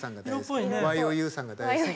ＹＯＵさんが大好き。